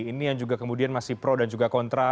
ini yang juga kemudian masih pro dan juga kontra